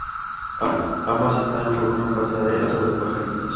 Ambas están unidas por una pasarela sobre Pajaritos.